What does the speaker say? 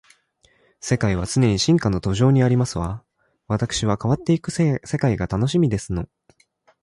世界は常に進化の途上にありますわ。わたくしは変わっていく世界が楽しみですの